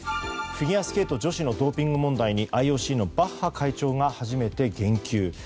フィギュアスケート女子のドーピング問題にＩＯＣのバッハ会長が初めて言及。